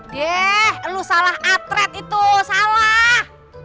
deh lu salah atret itu salah